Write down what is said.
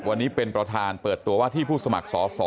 วันนี้เป็นประธานเปิดตัวว่าที่ผู้สมัครสอสอ